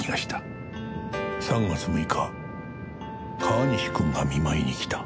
「３月６日川西君が見舞いに来た」